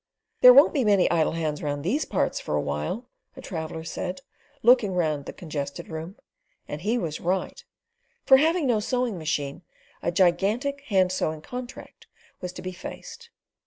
"There won't be many idle hands round these parts for a while," a traveller said, looking round the congested room, and he was right, for having no sewing machine, a gigantic hand sewing contract was to be faced.